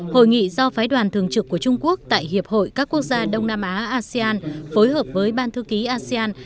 hội nghị do phái đoàn thường trực của trung quốc tại hiệp hội các quốc gia đông nam á asean phối hợp với ban thư ký asean